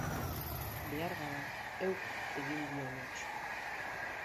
Beharbada, heuk egin dion huts.